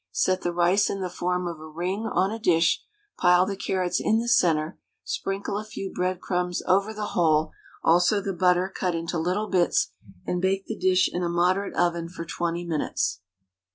Set the rice in the form of a ring on a dish, pile the carrots in the centre, sprinkle a few breadcrumbs over the whole, also the butter cut into little bits, and bake the dish in a moderate oven for 20 minutes.